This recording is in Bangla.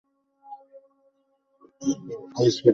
এদের প্রধান খাদ্য হল ফল।